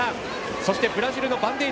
そしてブラジルのバンデイラ。